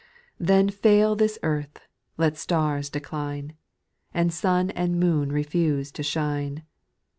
Then fail this earth, let stars decline, And sun and moon refuse to shine.